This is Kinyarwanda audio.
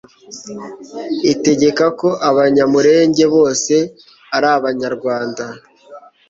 itegeka ko Abanyamulenge bose ari Abanyarwanda